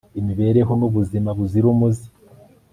imibereho nubuzima buzira umuze